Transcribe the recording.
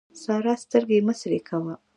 سارا سترګې مه سرې کوه.